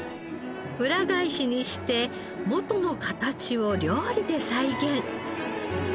裏返しにして元の形を料理で再現。